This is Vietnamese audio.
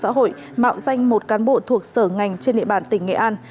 xã hội mạo danh một cán bộ thuộc sở ngành trên địa bàn tỉnh nghệ an